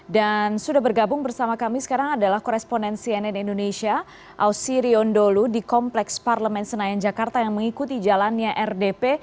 dan sudah bergabung bersama kami sekarang adalah koresponen cnn indonesia ausi riondolu di kompleks parlemen senayan jakarta yang mengikuti jalannya rdp